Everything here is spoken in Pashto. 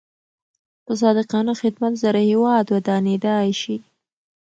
په صادقانه خدمت سره هیواد ودانېدای شي.